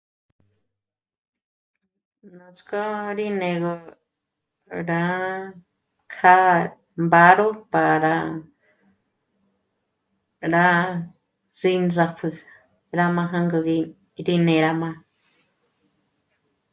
Núts'kó rí né'egö rá kjá mbàro para rá tsíndzapjü rá m'â'a jângo gí rí né'e 'àm'a